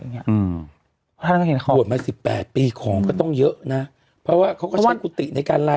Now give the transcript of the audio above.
เพราะท่านก็เห็นบวชมา๑๘ปีของก็ต้องเยอะเพราะว่ากูติในการรายติฟิล์ไว้แหละ